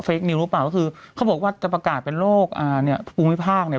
คนิวหรือเปล่าก็คือเขาบอกว่าจะประกาศเป็นโรคอ่าเนี่ยภูมิภาคเนี่ย